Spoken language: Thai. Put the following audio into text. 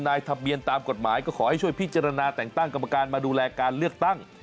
นายทะเบียนตามกฎหมายก็ขอให้ช่วยพิจารณาแต่งตั้งกรรมการมาดูแลการเลือกตั้ง